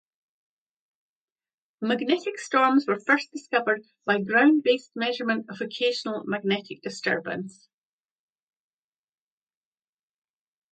Magnetic storms were first discovered by ground-based measurement of occasional magnetic disturbance.